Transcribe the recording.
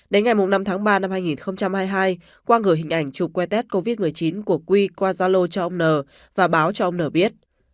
đến ngày năm ba hai nghìn hai mươi hai quang gửi hình ảnh chụp que test covid một mươi chín của quy qua gia lô cho ông nhn và báo cho ông nhn biết